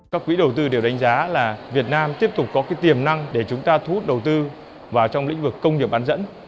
các quỹ đầu tư đều đánh giá là việt nam tiếp tục có tiềm năng để chúng ta thu hút đầu tư vào trong lĩnh vực công nghiệp bán dẫn